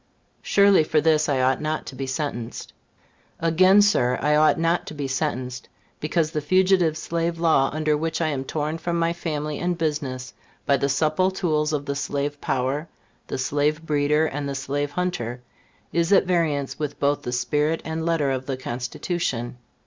Surely, for this I ought not to be sentenced. Again, Sir, I ought not to be sentenced, because the Fugitive Slave Law, under which I am torn from my family and business by the supple tools of the Slave Power, the slave breeder and the slave hunter, is at variance with both the spirit and letter of the Constitution.